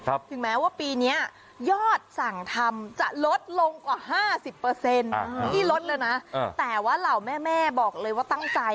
ถึงแม้ว่าปีนี้ยอดสั่งทำจะลดลงกว่า๕๐ที่ลดเลยนะแต่ว่าเหล่าแม่บอกเลยว่าตั้งใจ